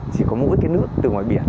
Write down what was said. chỉ có mỗi cái nước từ ngoài biển